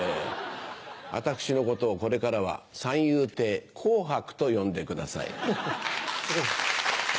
私のことをこれからは三遊亭コウハクと呼んでください。